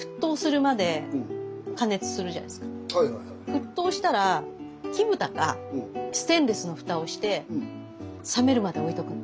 沸騰したら木ブタかステンレスのフタをして冷めるまで置いとくの。